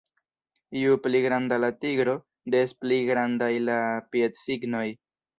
Ju pli granda la tigro, des pli grandaj la piedsignoj.